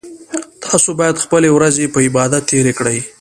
تاسو باید خپلې ورځې په عبادت تیرې کړئ